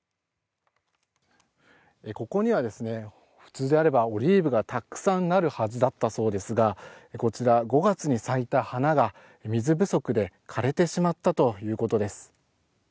ここには普通であればオリーブがたくさんなるはずだったそうですがこちら、５月に咲いた花が水不足で枯れてしまったということです。